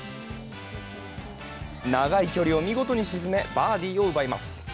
長い距離を見事に沈めバーディーを奪います。